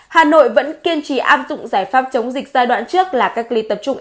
hà nội vẫn kiên trì áp dụng giải pháp chống dịch giai đoạn trước là các ly tập trung f một